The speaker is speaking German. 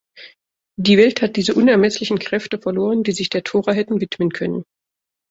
Die Welt hat diese unermesslichen Kräfte verloren, die sich der Tora hätten widmen können.